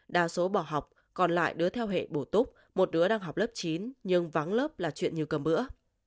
đa số bỏ học còn lại đứa theo hệ bổ túc một đứa đang học lớp chín nhưng vắng lớp là chuyện như cờ bữa